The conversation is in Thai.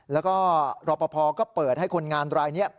แล้วก็รอปภก็เปิดให้คนงานรายนี้